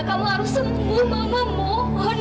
kamu harus sempur mama mohon